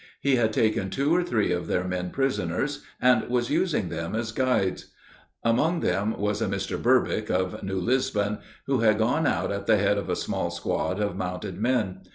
He had taken two or three of their men prisoners, and was using them as guides. Among them was a Mr. Burbick, of New Lisbon, who had gone out at the head of a small squad of mounted men.